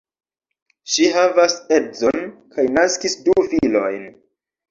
Ŝi havas edzon kaj naskis du filojn.